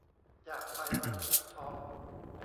อยากไปมันทุกทอล์ก